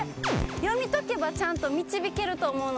読み解けばちゃんと導けると思うので。